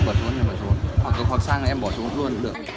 để thuận lợi trốn thậm chí có cả người hỗ trợ